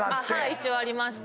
一応ありました。